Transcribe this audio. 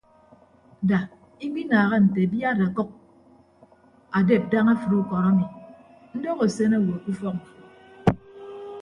Da ikpinaaha nte abiad ọkʌk adep daña afịd ukọd ami ndoho asen owo ke ufọk mfo.